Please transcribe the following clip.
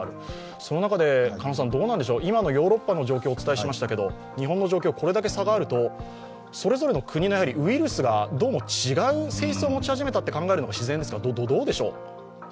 その中で、今のヨーロッパの状況、お伝えしましたけど日本の状況、これだけ差があるとそれぞれの国のウイルスが違う性質を持ち始めたと考えるのが自然ですか？